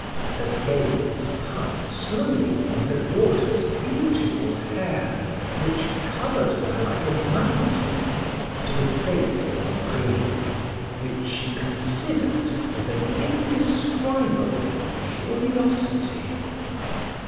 Her gaze passed slowly from her daughter's beautiful hair, which covered her like a mantle, to the face of Henri, which she considered with an indescribable curiosity.